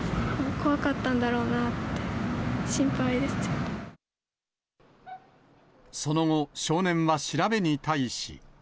怖かったんだろうなって、心配でその後、少年は調べに対し。